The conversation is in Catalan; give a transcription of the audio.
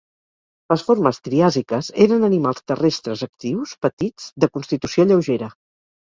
Les formes triàsiques eren animals terrestres actius, petits, de constitució lleugera.